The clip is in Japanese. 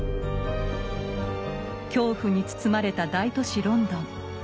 恐怖に包まれた大都市・ロンドン。